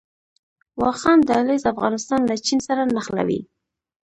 واخان دهلیز افغانستان له چین سره نښلوي